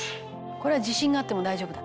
「これは地震があっても大丈夫だ」